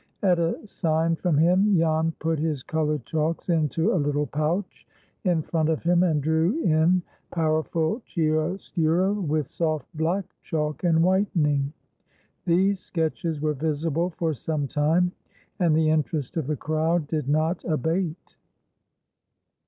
At a sign from him, Jan put his colored chalks into a little pouch in front of him, and drew in powerful chiaroscuro with soft black chalk and whitening. These sketches were visible for some time, and the interest of the crowd did not abate.